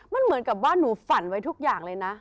มันเหมือนกับว่าหนูฝันไว้ทุกอย่างเลยนะ